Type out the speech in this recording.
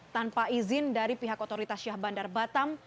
tanpa izin dari pihak otoritas syah bandar batam